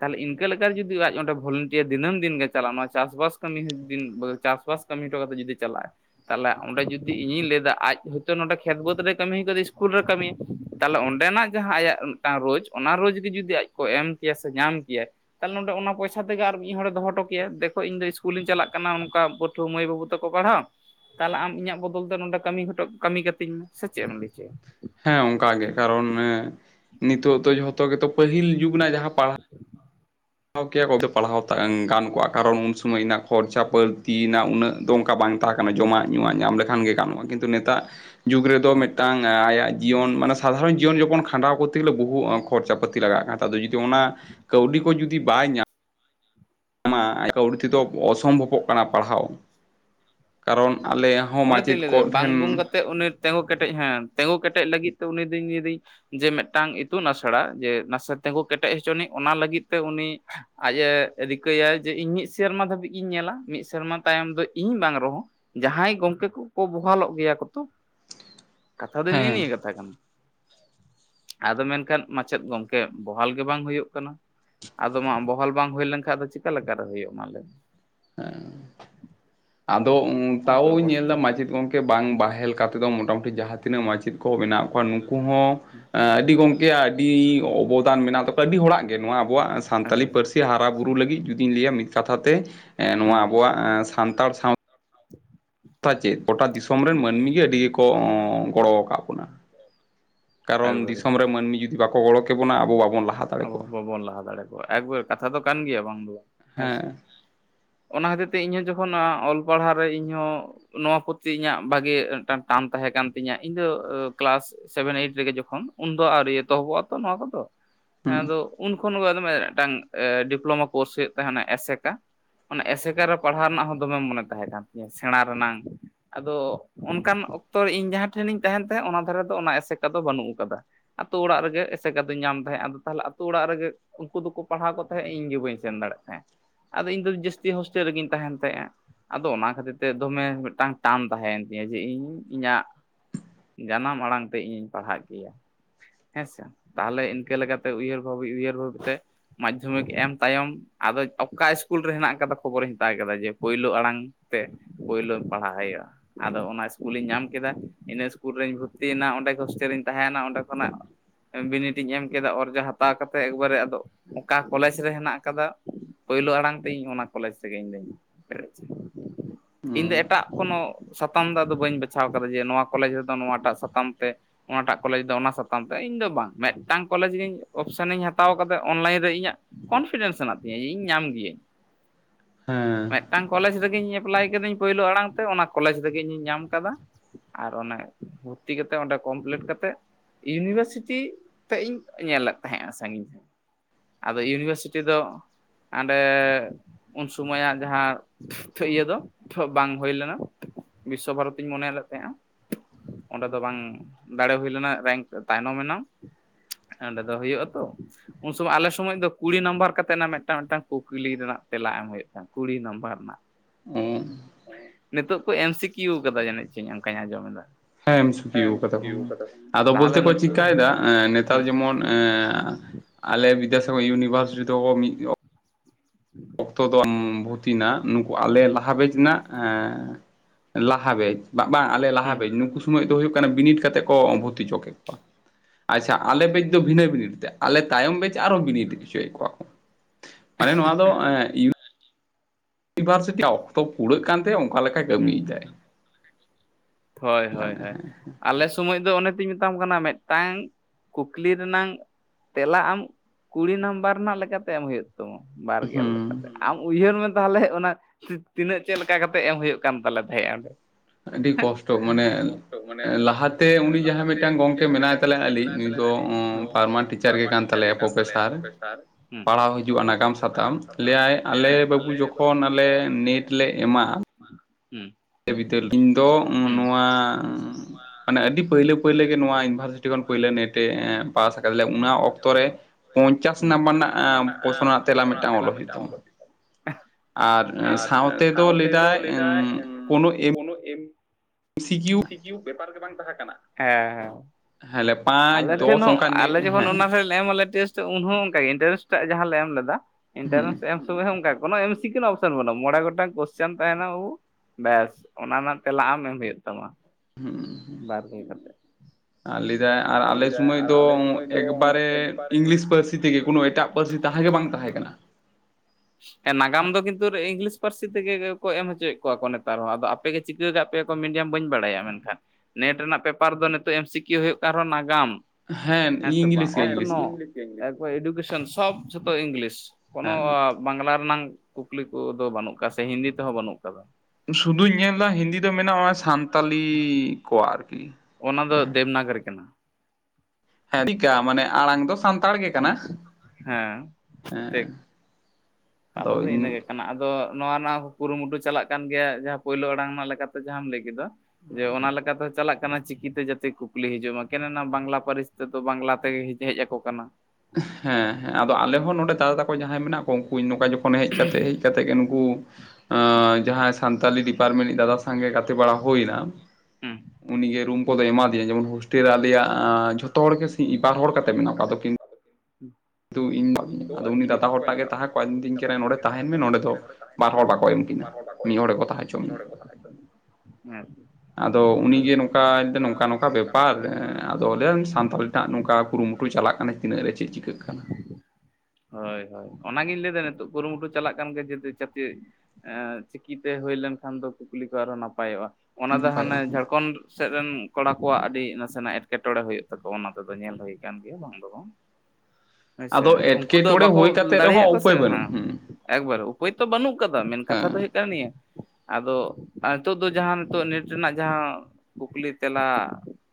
ᱛᱟᱦᱚᱞᱮ ᱤᱱᱠᱟᱹ ᱞᱮᱠᱟ ᱨᱮ ᱡᱩᱫᱤ ᱟᱡ ᱚᱸᱰᱮ ᱵᱷᱚᱞᱮ ᱱᱴᱤᱭᱟᱨ ᱫᱤᱱᱟᱹᱢ ᱫᱤᱱ ᱜᱮ ᱪᱟᱞᱟᱜ ᱢᱟ ᱪᱟᱥ ᱵᱟᱥ ᱠᱟᱹᱢᱤ ᱫᱤᱱ ᱵᱚ ᱪᱟᱥ ᱵᱟᱥᱼᱼ ᱠᱟᱹᱢᱤ ᱦᱚᱴᱚ ᱠᱟᱛᱮᱜ ᱡᱩᱫᱤ ᱪᱟᱞᱟᱜ ᱟᱭ ᱛᱟᱦᱚᱞᱮ ᱚᱸᱰᱮ ᱡᱩᱫᱤ ᱤᱧᱤᱧ ᱞᱟᱹᱭ ᱫᱟ ᱟ ᱟᱡ ᱦᱳᱭᱛᱚ ᱱᱚᱰᱮ ᱠᱷᱮᱛ ᱵᱟᱹᱫᱽ ᱨᱮ ᱠᱟᱹᱢᱤ ᱦᱩᱭ ᱠᱟᱫᱟ ᱤᱥᱠᱩᱞ ᱨᱮ ᱠᱟᱹᱢᱤᱭ ᱭᱟ ᱛᱟᱦᱚᱞᱮ ᱚᱸᱼᱼ ᱚᱰᱮᱱᱟᱜ ᱡᱟᱦᱟᱸ ᱟᱭᱟᱜ ᱢᱤᱫᱴᱟᱝ ᱨᱳᱡᱽ ᱚᱱᱟ ᱨᱳᱡᱽ ᱜᱮ ᱡᱩᱫᱤ ᱟᱡ ᱠᱚ ᱮᱢ ᱠᱮᱭᱟ ᱥᱮ ᱧᱟᱢ ᱠᱮᱭᱟᱭᱼᱼ ᱛᱟᱦᱞᱮ ᱱᱚᱸᱰᱮ ᱚᱱᱟ ᱯᱚᱭᱥᱟ ᱛᱮᱜᱮ ᱟᱨ ᱢᱤᱫ ᱦᱚᱲᱮ ᱫᱚᱦᱚ ᱴᱚ ᱠᱮᱭᱟ ᱫᱮᱠᱷᱚ ᱤᱧ ᱫᱚ ᱤᱥᱠᱩᱞ ᱞᱤᱧ ᱪᱟᱞᱟᱜ ᱠᱟᱱᱟ ᱚᱱᱠᱟ ᱯᱳᱨᱼᱼ ᱛᱩ ᱢᱟᱹᱭ ᱵᱟᱹᱵᱩ ᱛᱟᱠᱚ ᱯᱟᱲᱦᱟᱣᱼᱼ ᱛᱟᱦᱚᱞᱮ ᱟᱢ ᱤᱧᱟᱜ ᱵᱚᱫᱚᱞ ᱛᱮ ᱱᱚᱱᱰᱮ ᱠᱟᱢᱤ ᱦᱚᱴᱚ ᱠᱟᱢᱤ ᱠᱟᱹᱛᱤᱧ ᱢᱮ ᱥᱮ ᱪᱮᱜ ᱮᱢ ᱞᱟᱹᱭ ᱪᱚᱭᱟ? ᱦᱮᱸ ᱚᱱᱠᱟ ᱜᱮ ᱠᱟᱨᱚᱱ ᱮ ᱱᱤᱛᱚᱜ ᱫᱚ ᱡᱷᱚᱛᱚ ᱜᱮᱛᱚ ᱯᱟᱹᱦᱤᱞ ᱡᱩᱜᱽ ᱱᱟᱜ ᱡᱟᱦᱟᱸ ᱯᱟᱲᱟᱼᱼ ᱦᱟᱣ ᱠᱮᱭᱟ ᱠᱚ ᱯᱟᱲᱦᱟᱣ ᱛᱚ ᱜᱟᱱ ᱠᱚᱣᱟ ᱠᱟᱨᱚᱱ ᱩᱱ ᱥᱚᱢᱚᱭ ᱤᱱᱟᱜ ᱠᱷᱚᱨᱪᱟ ᱯᱟᱹᱨᱛᱤᱭ ᱱᱟ ᱩᱱᱟᱹᱜ ᱫᱚ ᱚᱱᱠᱟ ᱵᱟᱝ ᱛᱟᱦᱮᱸᱼᱼ ᱦᱮᱸ ᱡᱚᱢᱟᱜ ᱧᱩᱣᱟᱜ ᱧᱟᱢ ᱞᱮᱠᱷᱟᱱ ᱜᱮ ᱜᱟᱱᱚᱜᱼᱟ ᱠᱤᱱᱛᱩ ᱱᱮᱛᱟᱜ ᱡᱩᱜᱽ ᱨᱮᱫᱚ ᱦᱮᱸ ᱢᱮᱫᱴᱟᱝ ᱟᱭᱟᱜᱼᱼ ᱡᱤᱭᱚᱱ ᱢᱟᱱᱮ ᱥᱟᱫᱷᱟᱨᱚᱱ ᱡᱤᱭᱚᱱ ᱡᱚᱠᱷᱚᱱ ᱠᱷᱟᱸᱰᱟᱣ ᱠᱚᱛᱮ ᱜᱮᱞᱮ ᱵᱚᱦᱩ ᱚ ᱠᱷᱚᱨᱪᱟ ᱯᱟᱹᱛᱤ ᱞᱟᱜᱟᱜ ᱠᱟᱱᱟ ᱛᱚ ᱡᱩᱫᱤ ᱚᱱᱟᱼᱼ ᱠᱟᱹᱣᱰᱤ ᱠᱚ ᱡᱩᱫᱤ ᱵᱟᱭ ᱧᱟ ᱢᱟ‌ ᱮ ᱠᱟᱹᱣᱰᱤ ᱛᱮᱫᱚ ᱚᱥᱚᱢᱵᱷᱚᱵᱚᱜ ᱠᱟᱱᱟ ᱯᱟᱲᱦᱟᱣᱼᱼ ᱠᱟᱨᱚᱱ ᱟᱞᱮ ᱦᱚᱸ ᱢᱟᱪᱮᱫ ᱠᱚ ᱴᱷᱮᱱᱼᱼ ᱛᱮ ᱩᱱᱤ ᱛᱮᱸᱜᱩ ᱠᱮᱴᱮᱡ ᱦᱮᱸ ᱛᱮᱸᱜᱩ ᱠᱮᱴᱮᱡ ᱞᱟᱹᱜᱤᱫ ᱛᱮ ᱩᱱᱤ ᱫᱩᱧ ᱤᱭ ᱫᱤᱧᱼᱼ ᱡᱮ ᱢᱤᱫᱴᱟᱝ ᱤᱛᱩᱱ ᱟᱥᱲᱟ ᱡᱮ ᱱᱟᱥᱮ ᱛᱤᱸᱜᱩ ᱠᱮᱴᱮᱡ ᱦᱚᱪᱚᱱᱤᱡ ᱚᱱᱟ ᱞᱟᱹᱜᱤᱫ ᱛᱮ ᱩᱱᱤ ᱟᱡ ᱮ ᱨᱤᱠᱟᱹᱭᱟ ᱡᱮ ᱤᱧ ᱢᱤᱫ ᱥᱮᱨᱢᱟ ᱫᱷᱟᱹᱵᱤᱡ ᱜᱤᱧ ᱧᱮᱞᱟ ᱢᱤᱫ ᱥᱮᱨᱢᱟ ᱛᱟᱭᱚᱢ ᱫᱚ ᱤᱧ ᱵᱟᱝ ᱨᱮᱦᱚᱸ ᱡᱟᱦᱟᱸᱭ ᱜᱚᱝᱠᱮ ᱠᱚ ᱠᱚ ᱵᱚᱦᱟᱞᱚᱜ ᱜᱮᱭᱟ ᱠᱚ ᱛᱚ ᱠᱟᱛᱷᱟ ᱫᱚ ᱱᱮᱜ ᱦᱮᱸ ᱱᱤᱭᱟᱹ ᱠᱟᱛᱷᱟ ᱠᱟᱱᱟ᱾ ᱟᱫᱚ ᱢᱮᱱᱠᱷᱟᱱ ᱢᱟᱪᱮᱫ ᱜᱚᱝᱠᱮ ᱵᱚᱦᱟᱞ ᱜᱮ ᱵᱟᱝ ᱦᱩᱭᱩᱜ ᱠᱟᱱᱟ᱾ ᱟᱫᱚ ᱢᱟ ᱵᱚᱦᱚᱞ ᱵᱟᱝ ᱦᱩᱭ ᱞᱮᱱᱠᱷᱟᱡ ᱫᱚ ᱪᱤᱠᱟᱹ ᱞᱮᱠᱟ ᱨᱮ ᱦᱩᱭᱩᱜ-ᱟ ᱢᱟ ᱞᱟᱹᱭ ᱢᱮ? ᱦᱮᱸ ᱟᱫᱚ ᱩᱸ ᱚᱱᱠᱟ ᱛᱟᱣᱩᱧ ᱧᱮᱞ ᱚᱵᱚᱥᱛᱟ ᱫᱟ ᱢᱟᱪᱮᱫ ᱜᱚᱝᱠᱮᱼᱼ ᱠᱮ ᱵᱟᱝ ᱵᱟᱦᱮᱞ ᱠᱟᱛᱮᱫ ᱫᱚ ᱢᱚᱴᱟ ᱢᱩᱴᱤ ᱡᱟᱦᱟᱸ ᱛᱤᱱᱟᱹᱜ ᱢᱟᱪᱮᱫ ᱠᱚ ᱢᱮᱱᱟᱜ ᱠᱚᱣᱟ ᱱᱩᱠᱩ ᱦᱚᱸᱼᱼ ᱚᱸ ᱟᱹᱰᱤ ᱜᱚᱝᱠᱮ ᱭᱟᱜ ᱟᱹᱰᱤ ᱚᱵᱚᱫᱟᱱ ᱢᱮᱱᱟᱜ ᱛᱟᱠᱚᱣᱟ ᱟᱹᱰᱤ ᱦᱚᱲᱟᱜ ᱜᱮ ᱱᱚᱣᱟ ᱟᱵᱚᱣᱟᱜ ᱥᱟᱱᱛᱟᱞᱤ ᱮᱠᱵᱟᱨᱮ ᱯᱟᱹᱨᱥᱤᱼᱼ ᱦᱟᱨᱟ ᱵᱩᱨᱩ ᱞᱟᱹᱜᱤᱫ ᱡᱩᱫᱤᱧ ᱞᱟᱹᱭᱟ ᱢᱤᱫ ᱠᱟᱛᱷᱟ ᱛᱮ ᱮᱸ ᱦᱩᱸ ᱱᱚᱣᱟ ᱟᱵᱚᱣᱟᱜ ᱚᱸ ᱥᱟᱱᱛᱟᱲ ᱥᱟᱶᱼᱼ ᱛᱟ ᱪᱮᱫ ᱜᱚᱴᱟ ᱫᱤᱥᱚᱢ ᱨᱮᱱ ᱢᱟᱹᱱᱢᱤ ᱜᱮ ᱟᱹᱰᱤ ᱜᱮᱠᱚ ᱚᱸᱻ ᱜᱚᱲᱚ ᱟᱠᱟᱜ ᱵᱚᱱᱟ᱾ ᱠᱟᱨᱚᱱ ᱮᱠᱵᱟᱨᱮ ᱫᱤᱥᱚᱢ ᱨᱮ ᱢᱟᱹᱱᱢᱤ ᱡᱩᱫᱤ ᱵᱟᱠᱚ ᱜᱚᱲᱚ ᱠᱮ ᱵᱚᱱᱟ ᱟᱵᱚ ᱵᱟᱵᱚ ᱞᱟᱦᱟ ᱫᱟᱲᱮ ᱟᱵᱚ ᱠᱚᱜᱼᱟ ᱦᱚᱸ ᱵᱟᱵᱚᱱ ᱞᱟᱦᱟ ᱫᱟᱲᱮᱠᱚᱣᱟ ᱮᱠᱵᱟᱨ ᱠᱟᱛᱷᱟ ᱫᱚ ᱠᱟᱱ ᱜᱮᱭᱟ ᱵᱟᱝ ᱫᱚ ᱵᱟᱝ ᱦᱮᱸᱥᱮ ᱦᱮᱸ ᱚᱱᱟ ᱠᱷᱟᱹᱛᱤᱨ ᱛᱮ ᱤᱧᱦᱚᱸ ᱡᱚᱠᱷᱚᱱ ᱚᱞ ᱯᱟᱲᱦᱟᱣ ᱨᱮ ᱤᱧᱦᱚᱸ ᱱᱚᱣᱟ ᱯᱨᱚᱛᱤ ᱤᱧᱟᱹᱜ ᱵᱷᱟᱜᱤ ᱢᱤᱫᱴᱟᱝ ᱴᱟᱱ ᱛᱟᱦᱮᱸ ᱠᱟᱱ ᱛᱤᱧᱟᱹ ᱤᱧᱫᱚ ᱠᱮᱞᱟᱥ ᱥᱮᱵᱷᱮᱱ ᱮᱭᱤᱴ ᱨᱮᱜᱮ ᱡᱚᱠᱷᱚᱱ ᱩᱱᱫᱚ ᱟᱹᱶᱨᱤ ᱮᱛᱚᱦᱚᱵᱚᱜ-ᱟ ᱛᱚ ᱱᱚᱣᱟ ᱠᱚᱫᱚ ᱮᱸ ᱦᱩᱸ ᱟᱫᱚ ᱩᱱ ᱠᱷᱚᱱᱜᱮ ᱢᱤᱫᱴᱟᱝ ᱰᱤᱯᱞᱳᱢᱟ ᱠᱳᱨᱥ ᱦᱩᱭᱩᱜ ᱛᱟᱦᱮᱱᱟ ᱮᱥᱮᱠᱟ ᱚᱱᱟ ᱮᱥᱮᱠᱟ ᱨᱮ ᱯᱟᱲᱦᱟᱣ ᱨᱮᱱᱟᱜ ᱦᱚᱸ ᱫᱚᱢᱮᱢ ᱢᱚᱱᱮ ᱛᱟᱦᱮᱸ ᱠᱟᱱ ᱛᱤᱧᱟᱹ ᱥᱮᱬᱟ ᱨᱮᱱᱟᱝ ᱟᱫᱚ ᱚᱱᱠᱟᱱ ᱚᱠᱛᱚ ᱤᱧ ᱡᱟᱦᱟᱸ ᱴᱷᱮᱱᱤᱧ ᱛᱟᱦᱮᱱ ᱛᱟᱦᱮᱸᱫ ᱚᱱᱟ ᱫᱷᱟᱨᱮ ᱫᱚ ᱚᱱᱟ ᱮᱥᱮᱠᱟ ᱫᱚ ᱵᱟᱹᱱᱩᱜ ᱟᱠᱟᱫᱟ ᱟᱛᱳ ᱚᱲᱟᱜ ᱨᱮᱜᱮ ᱮᱥᱮᱠᱟ ᱫᱚᱧ ᱧᱟᱢ ᱛᱟᱦᱮᱸᱜ-ᱟ ᱟᱫᱚ ᱛᱟᱦᱚᱞᱮ ᱟᱛᱳ ᱚᱲᱟᱜ ᱨᱮᱜᱮ ᱩᱱᱠᱩ ᱫᱚᱠᱚ ᱯᱟᱲᱦᱟᱣ ᱠᱚᱜ ᱛᱟᱦᱮᱸᱫ ᱤᱧ ᱜᱮ ᱵᱟᱹᱧ ᱥᱮᱱ ᱫᱟᱲᱮᱭᱟᱜ ᱛᱟᱦᱮᱸᱫ ᱟᱫᱚ ᱤᱧ ᱫᱚ ᱡᱟᱹᱥᱛᱤ ᱦᱳᱥᱴᱮᱞ ᱨᱮᱜᱤᱧ ᱛᱟᱦᱮᱱ ᱛᱟᱦᱮᱸᱜ-ᱟ ᱟᱫᱚ ᱚᱱᱟ ᱠᱷᱟᱹᱛᱤᱨ ᱛᱮ ᱫᱚᱢᱮ ᱢᱤᱫᱴᱟᱝ ᱴᱟᱱ ᱛᱟᱦᱮᱸᱭᱮᱱ ᱛᱤᱧᱟᱹ ᱡᱮ ᱤᱧ ᱤᱧᱟᱹᱜ ᱡᱟᱱᱟᱢ ᱟᱲᱟᱝ ᱛᱮ ᱤᱧᱤᱧ ᱯᱟᱲᱦᱟᱜ ᱜᱮᱭᱟ ᱦᱮᱸᱥᱮ ᱛᱟᱦᱚᱞᱮ ᱤᱱᱠᱟᱹ ᱞᱮᱠᱟᱛᱮ ᱩᱭᱦᱟᱹᱨ ᱵᱷᱟᱵ ᱩᱭᱦᱟᱹᱨ ᱵᱷᱟᱵ ᱛᱮ ᱢᱟᱫᱽᱫᱷᱚᱢᱤᱠ ᱮᱢ ᱛᱟᱭᱚᱢ ᱟᱫᱚ ᱚᱠᱟ ᱤᱥᱠᱩᱞ ᱨᱮ ᱦᱮᱱᱟᱜ ᱠᱟᱫᱟ ᱠᱷᱚᱵᱚᱨᱤᱧ ᱦᱟᱛᱟᱣ ᱠᱮᱫᱟ ᱡᱮ ᱯᱳᱭᱞᱳ ᱟᱲᱟᱝ ᱛᱮ ᱯᱳᱭᱞᱳ ᱯᱟᱲᱦᱟᱣ ᱦᱳᱭᱳᱜ-ᱟ ᱟᱫᱚ ᱚᱱᱟ ᱥᱠᱩᱞᱤᱧ ᱧᱟᱢ ᱠᱮᱫᱟ ᱤᱱᱟᱹ ᱤᱥᱠᱩᱞ ᱨᱤᱧ ᱵᱷᱩᱨᱛᱤᱭᱮᱱᱟ ᱚᱸᱰᱮ ᱦᱳᱥᱴᱮᱞ ᱨᱤᱧ ᱛᱟᱦᱮᱸᱭᱮᱱᱟ ᱚᱸᱰᱮ ᱠᱷᱚᱱᱟᱜ ᱵᱤᱱᱤᱰ ᱤᱧ ᱮᱢ ᱠᱮᱫᱟ ᱚᱨᱡᱟ ᱦᱟᱛᱟᱣ ᱠᱟᱛᱮᱫ ᱮᱠᱵᱟᱨᱮ ᱟᱫᱚ ᱚᱠᱟ ᱠᱚᱞᱮᱡ ᱨᱮ ᱦᱮᱱᱟᱜ ᱟᱠᱟᱫᱟ ᱯᱳᱭᱞᱳ ᱟᱲᱟᱝ ᱛᱮ ᱤᱧ ᱚᱱᱟ ᱠᱚᱞᱮᱡᱽ ᱛᱮᱜᱮ ᱤᱧᱫᱚᱧ ᱯᱮᱨᱮᱡ ᱠᱮᱫ ᱤᱧ ᱫᱚ ᱦᱩᱸ ᱮᱴᱟᱜ ᱠᱳᱱᱳ ᱥᱟᱛᱟᱢ ᱫ ᱟᱫᱚ ᱵᱟᱹᱧ ᱵᱟᱪᱷᱟᱣ ᱠᱟᱫᱟ ᱡᱮ ᱱᱚᱣᱟ ᱠᱚᱞᱮᱡᱽ ᱨᱮᱫᱚ ᱱᱚᱣᱟᱴᱟᱜ ᱥᱟᱛᱟᱢ ᱛᱮ ᱚᱱᱟᱴᱟᱜ ᱠᱚᱞᱮᱡᱽ ᱫᱚ ᱚᱱᱟ ᱥᱟᱛᱟᱢ ᱛᱮ ᱤᱧ ᱫᱚ ᱵᱟᱝ ᱢᱤᱫᱴᱟᱝ ᱠᱚᱞᱮᱡᱽ ᱜᱤᱧ ᱚᱯᱥᱮᱱᱤᱧ ᱦᱟᱛᱟᱣ ᱟᱠᱟᱫᱟ ᱚᱱᱞᱟᱭᱤᱱ ᱨᱮ ᱤᱧᱟᱹᱜ ᱠᱚᱱᱯᱷᱤᱰᱮᱱᱥ ᱦᱮᱱᱟᱜ ᱛᱤᱧᱟᱹ ᱤᱧ ᱧᱟᱢ ᱜᱤᱭᱟᱹᱧ ᱦᱮᱸ ᱢᱤᱫᱴᱟᱝ ᱠᱚᱞᱮᱡᱽ ᱨᱮᱜᱮᱧ ᱮᱯᱞᱟᱭ ᱠᱟᱹᱫᱟᱹᱧ ᱯᱳᱭᱞᱳ ᱟᱲᱟᱝ ᱛᱮ ᱚᱱᱟ ᱠᱚᱞᱮᱡᱽ ᱨᱮᱜᱮ ᱤᱧ ᱧᱟᱢ ᱟᱠᱟᱫᱟ ᱟᱨ ᱚᱱᱮ ᱵᱷᱩᱨᱛᱤ ᱠᱟᱛᱮᱜ ᱚᱸᱰᱮ ᱠᱚᱢᱯᱞᱤᱴ ᱠᱟᱛᱮ ᱤᱭᱩᱱᱤᱵᱷᱟᱨᱥᱤᱴᱤ ᱛᱮᱫ ᱤᱧ ᱧᱮᱞ ᱞᱮᱫ ᱛᱟᱦᱮᱸᱱᱟ ᱥᱟᱹᱜᱤᱧ ᱠᱷᱚᱱ ᱟᱫᱚ ᱤᱭᱩᱱᱤᱵᱷᱟᱨᱥᱤᱴᱤ ᱫᱚ ᱚᱸᱰᱮ ᱩᱱᱥᱚᱢᱚᱭᱟᱜ ᱡᱟᱦᱟᱸ ᱤᱭᱟᱹ ᱫᱚ ᱵᱟᱝ ᱦᱩᱭ ᱞᱮᱱᱟ ᱵᱤᱥᱥᱚ ᱵᱷᱟᱨᱚᱛᱤᱧ ᱢᱚᱱᱮ ᱞᱮᱫ ᱛᱟᱦᱮᱸᱱᱟ ᱚᱸᱰᱮ ᱫᱚ ᱵᱟᱝ ᱫᱟᱲᱮ ᱦᱩᱭ ᱞᱮᱱᱟ ᱨᱮᱝᱠ ᱛᱟᱭᱱᱚᱢ ᱮᱱᱟ ᱫᱚ ᱦᱩᱭᱩᱜ ᱟ ᱛᱚ ᱩᱱ ᱥᱚᱢᱚᱭ ᱟᱞᱮ ᱥᱚᱢᱚᱭ ᱫᱚ ᱠᱩᱲᱤ ᱱᱟᱢᱵᱟᱨ ᱠᱟᱛᱮᱴᱮᱫ ᱚᱱᱟ ᱢᱤᱫᱴᱟᱝ ᱢᱤᱫᱴᱟᱝ ᱠᱩᱠᱞᱤ ᱨᱮᱱᱟᱜ ᱛᱮᱞᱟ ᱮᱢ ᱦᱩᱭᱩᱜ ᱛᱟ ᱠᱩᱲᱤ ᱱᱟᱢᱵᱟᱨ ᱨᱮᱱᱟᱜ ᱱᱤᱛᱳᱜ ᱠᱚ ᱮᱢ ᱥᱤ ᱠᱤᱭᱩ ᱠᱟᱫᱟ ᱡᱟᱹᱱᱤᱡ ᱪᱚᱧ ᱚᱱᱠᱟᱧ ᱟᱸᱡᱚᱢᱮᱫᱟ ᱦᱮᱸ ᱮᱢ ᱥᱤ ᱠᱤᱭᱩ ᱠᱟᱫᱟ ᱠᱚ ᱟᱫᱚ ᱵᱚᱞᱛᱮ ᱛᱟᱦᱚᱞᱮ ᱠᱚ ᱱᱤᱛᱚᱜ ᱪᱤᱠᱟᱭᱮᱫᱟ ᱱᱮᱛᱟᱨ ᱦᱮᱸ ᱡᱮᱢᱚᱱ ᱟᱞᱮ ᱵᱤᱫᱫᱟᱥᱟᱜᱚᱨ ᱤᱭᱩᱱᱤᱵᱷᱟᱨᱥᱤᱴᱤ ᱫᱚᱠᱚ ᱢᱤᱫ ᱚᱠᱛᱚ ᱫᱚᱢ ᱵᱷᱩᱛᱤᱱᱟ ᱱᱩᱠᱩ ᱟᱞᱮ ᱞᱟᱦᱟ ᱵᱮᱡ ᱦᱩᱸ ᱨᱮᱱᱟᱜ ᱞᱟᱦᱟ ᱵᱮᱪ ᱵᱟᱝ ᱟᱞᱮ ᱞᱟᱦᱟ ᱦᱩᱸ ᱵᱮᱪ ᱱᱩᱠᱩ ᱥᱚᱢᱚᱭ ᱫᱚ ᱦᱩᱭᱩᱜ ᱠᱟᱱᱟ ᱵᱤᱱᱤᱰ ᱠᱟᱛᱮ ᱠᱚ ᱼᱼ [unintelligible] ᱟᱪᱪᱷᱟ ᱟᱞᱮ ᱵᱮᱪ ᱫᱚ ᱵᱷᱤᱱᱟᱹ ᱵᱤᱱᱤᱰ ᱛᱮ ᱟᱞᱮ ᱛᱟᱭᱚᱢ ᱵᱮᱪ ᱟᱨᱦᱚᱸ ᱵᱤᱱᱤᱰ ᱪᱚᱭᱮᱜ ᱠᱚᱣᱟ ᱠᱚ, ᱢᱟᱱᱮ ᱱᱚᱣᱟ ᱫᱚ ᱮ ᱭᱩᱱᱤᱵᱷᱟᱨᱥᱤᱴᱤ ᱚᱠᱛᱚ ᱯᱩᱨᱟᱹᱜ ᱠᱟᱱ ᱛᱮ ᱚᱱᱠᱟ ᱞᱮᱠᱟᱭ ᱠᱟᱹᱢᱤ ᱦᱩᱸ ᱭᱮᱫᱟᱭ ᱦᱳᱭ ᱦᱳᱭ ᱦᱳᱭ ᱟᱞᱮ ᱥᱳᱢᱚᱭ ᱫᱚ ᱚᱱᱮ ᱢᱮᱛᱟᱢ ᱠᱟᱱᱟ ᱢᱤᱫᱴᱟᱝ ᱠᱩᱠᱞᱤ ᱨᱮᱱᱟᱝ ᱛᱮᱞᱟ ᱟᱢ ᱠᱩᱲᱤ ᱱᱟᱢᱵᱟᱨ ᱨᱮᱱᱟᱜ ᱞᱮᱠᱟᱛᱮ ᱮᱢ ᱦᱩᱭᱩᱜ ᱛᱟᱢᱟ ᱵᱟᱨᱜᱮᱞ ᱦᱮᱸ ᱞᱮᱠᱟᱛᱮ ᱟᱢ ᱩᱭᱦᱟᱹᱨ ᱢᱮ ᱛᱟᱦᱚᱞᱮ ᱚᱱᱟ ᱛᱤᱱᱟᱹᱜ ᱪᱮᱫ ᱞᱮᱠᱟ ᱠᱟᱛᱮᱜ ᱮᱢ ᱦᱩᱭᱩᱜ ᱠᱟᱱ ᱛᱟᱞᱮ ᱛᱟᱦᱮᱸᱜᱼᱟ ᱚᱸᱰᱮ ᱟᱹᱰᱤ ᱠᱚᱥᱴ ᱢᱟᱱᱮ ᱞᱟᱦᱟ ᱛᱮ ᱩᱱᱤ ᱡᱟᱦᱟᱸᱭ ᱢᱤᱫᱴᱟᱝ ᱜᱚᱝᱠᱮ ᱢᱮᱱᱟᱭ ᱛᱟᱞᱮᱭᱟ ᱟᱞᱮ ᱤᱡ ᱱᱩᱭ ᱫᱚ ᱯᱟᱨᱢᱟᱱᱴ ᱜᱮ ᱠᱟᱱ ᱛᱟᱞᱮᱭᱟ ᱯᱨᱚᱯᱷᱮᱥᱟᱨ ᱯᱟᱲᱦᱟᱣ ᱦᱤᱡᱩᱜᱼᱟ ᱱᱟᱜᱟᱢ ᱥᱟᱛᱟᱢ ᱞᱮᱭᱟᱭ ᱟᱞᱮ ᱵᱟᱹᱵᱩ ᱡᱚᱠᱷᱚᱱ ᱚᱠᱷᱱ ᱟᱞᱮ ᱱᱮᱴ ᱞᱮ ᱮᱢᱟ ᱦᱩᱸ [unintelligible] ᱵᱤᱛᱟᱹᱞ ᱤᱧ ᱫᱚ ᱦᱩᱸ ᱱᱚᱣᱟ ᱢᱟᱱᱮ ᱟᱹᱰᱤ ᱯᱟᱹᱭᱞᱟᱹ ᱯᱳᱭᱞᱳ ᱜᱮ ᱱᱚᱣᱟ ᱤᱭᱩᱱᱤᱵᱷᱟᱨᱥᱤᱴᱤ ᱠᱷᱚᱱ ᱯᱳᱭᱞᱳ ᱱᱮᱴ ᱮ ᱯᱟᱥ ᱟᱠᱟᱫᱟ ᱞᱮ ᱚᱱᱟ ᱚᱠᱛᱚ ᱨᱮ ᱯᱚᱧᱪᱟᱥ ᱦᱩᱸ ᱱᱟᱢᱵᱟᱨ ᱨᱮᱱᱟᱜ ᱯᱚᱥᱱᱟ ᱛᱮᱞᱟ ᱢᱤᱫᱴᱟᱝ ᱚᱞ ᱦᱩᱭᱩᱜ ᱛᱟᱢᱟ ᱾ ᱟᱨ ᱥᱟᱶᱛᱮᱫᱚ ᱞᱮᱫᱟᱭ ᱩᱸ ᱯᱩᱱᱩᱡ [unintelligible] ᱥᱤᱠᱤᱭᱩ ᱡᱤᱥᱩ ᱵᱮᱯᱟᱨ ᱜᱮ ᱵᱟᱝ ᱛᱟᱦᱮᱸ ᱠᱟᱱᱟ, ᱦᱮᱸ ᱦᱮᱸ ᱦᱮᱸᱞᱮ ᱯᱟᱸᱪ ᱟᱞᱮ ᱴᱷᱮᱱ ᱫᱚᱥ ᱦᱚᱸ ᱚᱱᱠᱟ ᱱᱮᱴ ᱟᱞᱮ ᱡᱚᱠᱷᱚᱱ ᱦᱮᱸ ᱚᱱᱟ ᱮᱢ ᱟᱞᱮ ᱴᱮᱥ ᱩᱱᱦᱚᱸ ᱚᱱᱠᱟᱜᱮ ᱤᱱᱴᱟᱨᱮᱱᱥ ᱴᱟᱜ ᱡᱟᱦᱟᱸ ᱞᱮ ᱮᱢ ᱞᱮᱫᱟ ᱦᱩᱸ ᱤᱱᱴᱟᱨᱮᱱᱥ ᱮᱢ ᱛᱚᱵᱮ ᱦᱟᱜ ᱚᱱᱠᱟ ᱠᱚᱱᱚ ᱮᱢᱥᱤᱠᱤᱣᱩ ᱨᱮᱱᱟᱜ ᱚᱯᱥᱮᱱ ᱵᱟᱱᱩᱜ-ᱟ, ᱢᱚᱲᱮ ᱜᱚᱴᱟᱝ ᱠᱚᱥᱴᱮᱱ ᱛᱟᱦᱮᱸᱱᱟ ᱵᱟᱵᱩ ᱼᱼ ᱵᱮᱥ ᱚᱱᱟ ᱨᱮᱱᱟᱜ ᱛᱮᱞᱟ ᱟᱢ ᱮᱢ ᱦᱩᱭᱩᱜ ᱛᱟᱢᱟ ᱾ ᱦᱮᱸ ᱵᱟᱨ ᱦᱩᱭ ᱠᱟᱛᱮ ᱟᱨ ᱞᱟᱭ ᱟᱨ ᱟᱞᱮ ᱥᱚᱢᱚᱭ ᱫᱚ ᱮᱠᱵᱟᱨᱮ ᱤᱝᱞᱤᱥ ᱯᱟᱹᱨᱥᱤ ᱛᱮᱜᱮ ᱠᱳᱱᱳ ᱮᱴᱟᱜ ᱯᱟᱹᱨᱥᱤ ᱛᱟᱦᱮᱸ ᱜᱮ ᱵᱟᱝ ᱛᱟᱦᱮᱸ ᱠᱟᱱᱟ᱾ ᱱᱟᱜᱟᱢ ᱫᱚ ᱠᱤᱱᱛᱩ ᱤᱝᱞᱤᱥ ᱯᱟᱹᱨᱥᱤ ᱛᱮᱜᱮᱠᱚ ᱮᱢ ᱦᱚᱪᱚᱭᱮᱫ ᱠᱚᱣᱟ ᱠᱚ ᱱᱮᱛᱟᱨ ᱦᱚᱸ ᱟᱫᱚ ᱟᱯᱮᱜᱮ ᱪᱤᱠᱟᱹ ᱠᱟᱜ ᱯᱮᱭᱟ ᱠᱚ ᱢᱤᱰᱤᱭᱟᱢ ᱵᱟᱹᱧ ᱵᱟᱲᱟᱭᱟ ᱢᱮᱱᱠᱷᱟᱱ ᱱᱮᱴ ᱨᱮᱱᱟᱜ ᱯᱮᱯᱟᱨ ᱫᱚ ᱱᱤᱛᱚᱜ ᱮᱢ ᱥᱤᱠᱤ ᱦᱩᱭᱩᱜ ᱠᱟᱱ ᱨᱮᱦᱚᱸ ᱱᱟᱜᱟᱢ ᱦᱮᱸ ᱥᱮ ᱵᱟᱝ ᱤᱝᱞᱤᱥ ᱜᱮ ᱤᱝᱞᱤᱥ ᱜᱮ ᱚᱛᱱᱚ ᱮᱟᱨ ᱮᱰᱩᱠᱮᱥᱚᱱ ᱥᱚᱵ ᱡᱚᱛᱚ ᱤᱝᱞᱤᱥ ᱠᱚ ᱦᱮᱸ ᱵᱟᱝᱞᱟ ᱨᱮᱱᱟᱝ ᱠᱩᱠᱞᱤ ᱠᱚᱫᱚ ᱵᱟᱹᱱᱩᱜ ᱟᱠᱟᱫᱟ ᱥᱮ ᱦᱤᱱᱫᱤ ᱛᱮᱦᱚᱸ ᱵᱟᱹᱱᱩᱜ ᱟᱠᱟᱫᱟ᱾ ᱥᱩᱫᱩᱧ ᱧᱮᱞ ᱮᱫᱟ ᱦᱤᱱᱫᱤ ᱫᱚ ᱢᱮᱱᱟᱜᱼᱟ ᱥᱟᱱᱛᱟᱞᱤ ᱠᱚᱣᱟᱜ ᱟᱨᱠᱤ ᱡᱟᱦᱟᱸ ᱱᱟᱜ ᱨᱮ ᱠᱟᱱᱟ ᱦᱮᱸ ᱪᱤᱠᱟ ᱢᱟᱱᱮ ᱟᱲᱟᱝ ᱫᱚ ᱥᱟᱱ ᱥᱟᱱᱛᱟᱲ ᱜᱮ ᱠᱟᱱᱟ ᱦᱮᱸ ᱦᱮᱸ ᱟᱫᱚ ᱠᱟᱛᱭᱟ ᱫᱚ ᱤᱧ ᱤᱱᱟ ᱜᱮ ᱟᱫᱚ ᱱᱚᱣᱟ ᱨᱮᱱᱟᱜ ᱠᱩᱨᱩᱢᱩᱴᱩ ᱪᱟᱞᱟᱜ ᱠᱟᱱ ᱜᱮᱭᱟ ᱡᱟᱦᱟᱸ ᱯᱳᱭᱞᱳ ᱟᱲᱟᱝ ᱨᱮᱱᱟᱜ ᱞᱮᱠᱟᱛᱮ ᱡᱟᱦᱟᱸᱟᱢ ᱞᱟᱹᱭ ᱠᱮᱫᱟ᱾ ᱡᱮ ᱚᱱᱟ ᱞᱮᱠᱟᱛᱮ ᱪᱟᱞᱟᱜ ᱠᱟᱱᱟ ᱪᱤᱠᱤᱛᱮ ᱡᱟᱛᱮ ᱠᱩᱠᱞᱤ ᱦᱤᱡᱩᱜ ᱢᱟ ᱠᱮᱱ ᱵᱟᱝᱞᱟ ᱯᱟᱹᱨᱤᱥ ᱛᱮᱫᱚ ᱵᱟᱝᱞᱟ ᱛᱮᱜᱮ ᱦᱮᱡ ᱟᱠᱚ ᱠᱟᱱᱟ᱾ ᱦᱮᱸ ᱦᱮᱸ ᱟᱫᱚ ᱟᱞᱮ ᱦᱚᱸ ᱱᱚᱸᱰᱮ ᱫᱟᱫᱟ ᱛᱟᱠᱚ ᱡᱟᱦᱟᱸᱭ ᱢᱮᱱᱟᱜ ᱠᱚᱣᱟ᱾ ᱩᱱᱠᱩ ᱱᱚᱝᱠᱟ ᱡᱚᱠᱷᱚᱱ ᱦᱮᱡ ᱠᱟᱛᱮ ᱦᱮᱡ ᱠᱟᱛᱮ ᱜᱮ ᱱᱩᱠᱩ ᱦᱩᱸ ᱡᱟᱦᱟᱸᱭ ᱥᱟᱱᱛᱟᱞᱤ ᱰᱤᱯᱟᱨᱢᱮᱱᱼᱼ ᱦᱩᱸ ᱩᱱᱤ ᱜᱮ ᱨᱩᱢ ᱠᱚᱫᱚᱭ ᱮᱢᱟᱫᱮᱭᱟ ᱡᱮᱢᱚᱱ ᱦᱳᱥᱴᱮᱞ ᱨᱮ ᱟᱞᱮᱭᱟᱜ ᱡᱷᱚᱛᱚ ᱦᱚᱲ ᱜᱮ ᱮ ᱵᱟᱨ ᱦᱚᱲ ᱠᱟᱛᱮ ᱢᱮᱱᱟᱜ ᱠᱚᱣᱟ ᱫᱚ ᱠᱤᱱᱛᱩ ᱦᱩᱸ ᱠᱤᱱᱛᱩ ᱤᱧᱟ ᱟᱫᱚ ᱩᱱᱤ ᱫᱟᱫᱟ ᱦᱚᱲ ᱴᱟᱜ ᱜᱮ ᱛᱟᱦᱮᱸ ᱠᱚᱜᱼᱟ ᱤᱫᱟᱹᱧ ᱠᱟᱱᱟ ᱱᱚᱰᱮ ᱛᱟᱦᱮᱱ ᱢᱮ ᱱᱚᱰᱮ ᱫᱚ ᱵᱟᱨ ᱦᱚᱲ ᱵᱟᱠᱚ ᱮᱢ ᱠᱤᱧᱟ ᱵᱟᱨ ᱦᱚᱲ ᱵᱟᱠᱚ ᱮᱢ ᱠᱤᱱᱟ ᱢᱤᱫ ᱦᱚᱲ ᱜᱮᱠᱚ ᱛᱟᱦᱮ ᱠᱟᱱᱟ ᱟᱪᱪᱷᱟ ᱟᱫᱚ ᱩᱱᱤᱜᱮ ᱱᱚᱝᱠᱟ ᱱᱚᱝᱠᱟ ᱱᱚᱝᱠᱟ ᱵᱮᱯᱟᱨ ᱟᱫᱚᱞᱮ ᱥᱟᱱᱛᱟᱞᱤ ᱨᱮᱱᱟᱜ ᱱᱚᱝᱠᱟ ᱠᱩᱨᱩᱢᱩᱴᱩ ᱪᱟᱞᱟᱜ ᱠᱟᱱᱟ ᱛᱤᱱᱟᱹᱜ ᱞᱮ ᱪᱮᱫ ᱪᱤᱠᱟᱹᱜ ᱠᱟᱱᱟ᱾ ᱦᱳᱭ ᱦᱳᱭ ᱚᱱᱟᱜᱤᱧ ᱞᱟᱹᱭᱮᱫᱫᱟ ᱱᱤᱛᱚᱜ ᱠᱩᱨᱩᱢᱩᱴᱩ ᱪᱟᱞᱟᱜ ᱠᱟᱱ ᱜᱮ ᱡᱩᱫᱤ ᱪᱤᱠᱤᱛᱮ ᱦᱩᱭ ᱞᱮᱱᱠᱷᱟᱱ ᱫᱚ ᱠᱩᱠᱞᱤ ᱠᱚ ᱟᱨᱦᱚᱸ ᱱᱟᱯᱟᱭᱚᱜᱼᱟ ᱚᱱᱟ ᱫᱚ ᱦᱟᱱᱮ ᱱᱟᱯᱟᱭᱚᱜᱼᱟ ᱡᱷᱟᱲᱠᱷᱚᱱᱰ ᱥᱮᱫ ᱨᱮᱱ ᱠᱚᱲᱟ ᱠᱚᱣᱟᱜ ᱟᱹᱰᱤ ᱱᱟᱥᱮᱱᱟᱜ ᱮᱴᱠᱮᱴᱚᱬᱮ ᱦᱩᱭᱩᱜ ᱛᱟᱠᱚᱣᱟ ᱚᱱᱟ ᱛᱮᱫᱚ ᱧᱮᱞ ᱦᱩᱭ ᱠᱟᱱ ᱜᱮᱭᱟ ᱵᱟᱝ ᱫᱚ ᱵᱟᱝ ᱦᱳᱭᱥᱮ ᱟᱫᱚ ᱩᱱᱠᱩ ᱫᱚ ᱮᱴᱠᱮᱴᱚᱬᱮ ᱦᱩᱭ ᱠᱟᱛᱮ ᱨᱮᱦᱚᱸ ᱩᱯᱟᱹᱭ ᱵᱟᱹᱱᱩᱜ ᱦᱩᱸ ᱮᱠᱵᱟᱨ ᱩᱯᱟᱹᱭ ᱛᱚ ᱵᱟᱹᱱᱩᱜ ᱟᱠᱟᱫᱟ ᱢᱮᱱ ᱠᱟᱛᱷᱟ ᱫᱚ ᱦᱩᱭᱩᱜ ᱠᱟᱱᱟ ᱱᱤᱭᱟ᱾ ᱟᱫᱚ ᱱᱤᱛᱚᱜ ᱫᱚ ᱡᱟᱦᱟᱸ ᱱᱤᱛᱚᱜ ᱱᱮᱴ ᱨᱮᱱᱟᱜ ᱡᱟᱦᱟᱸ ᱠᱩᱠᱞᱤ ᱛᱮᱞᱟ